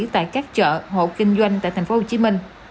tại các chợ hộ kinh doanh tại tp hcm